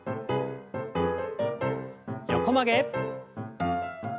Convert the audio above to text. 横曲げ。